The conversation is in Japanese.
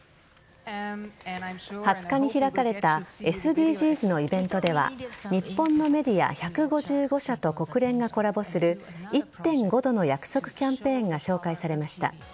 ２０日に開かれたＳＤＧｓのイベントでは日本のメディア１５５社と国連がコラボする１．５℃の約束キャンペーンが紹介されました。